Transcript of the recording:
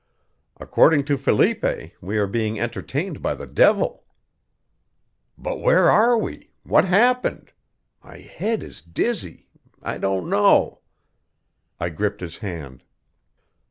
According to Felipe, we are being entertained by the devil." "But where are we? What happened? My head is dizzy I don't know " I gripped his hand.